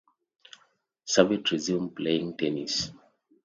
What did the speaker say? Savitt resumed playing tennis.